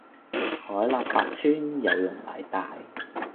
海納百川，有容乃大